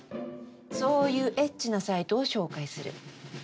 そういうエッチなサイトを紹介する。